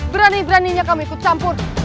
berani beraninya kamu ikut campur